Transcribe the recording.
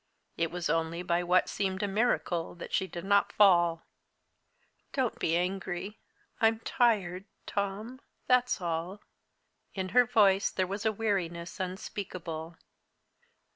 It was only by what seemed a miracle that she did not fall. "Don't be angry I'm tired Tom that's all." In her voice there was a weariness unspeakable.